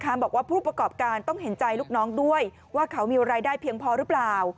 บอกว่าผู้ประกอบการต้องเห็นใจลูกน้องด้วยว่าเขามีรายได้เพียงพอหรือเปล่า